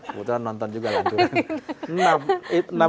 kemudian nonton juga lah